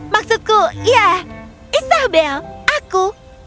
maksudku ya isabel aku